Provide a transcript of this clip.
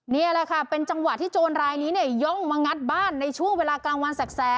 นี่แหละค่ะเป็นจังหวะที่โจรรายนี้เนี่ยย่องมางัดบ้านในช่วงเวลากลางวันแสก